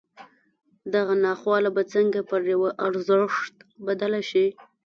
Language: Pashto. دغه ناخواله به څنګه پر يوه ارزښت بدله شي.